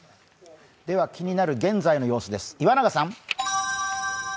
気になる現在の様子です、岩永さん。